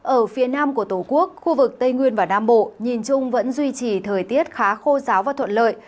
ở phía nam của tổ quốc khu vực tây nguyên và nam bộ nhìn chung vẫn duy trì thời tiết khá khô giáo và thuận lợi